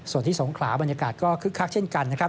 ส่วนที่สงขลาบรรยากาศก็คึกคักเช่นกันนะครับ